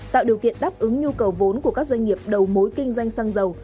tạo điều kiện đáp ứng nhu cầu vốn của các doanh nghiệp đầu mối kinh doanh xăng dầu